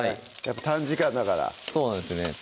短時間だからそうなんですね